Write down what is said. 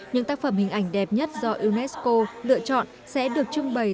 những tác phẩm hình ảnh đẹp nhất do unesco lựa chọn sẽ được trưng bày